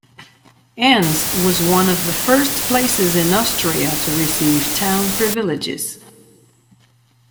Enns was one of the first places in Austria to receive town privileges.